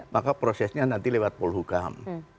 maka prosesnya nanti lewat polhukam